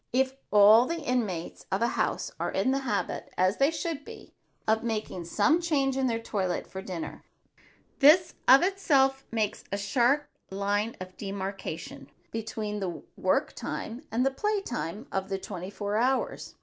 If all the inmates of a house are in the habit, as they should be, of making some change in their toilet for dinner, this of itself makes a sharp line of demarcation between the work time and the play time of the twenty four hours.